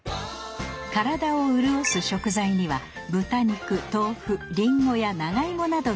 体をうるおす食材には豚肉豆腐りんごや長芋などがあります